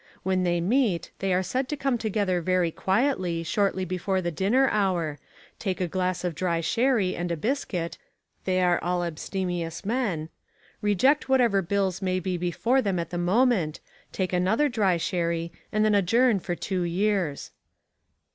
When they meet they are said to come together very quietly shortly before the dinner hour, take a glass of dry sherry and a biscuit (they are all abstemious men), reject whatever bills may be before them at the moment, take another dry sherry and then adjourn for two years.